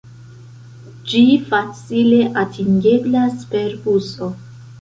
Ĝi facile atingeblas per buso.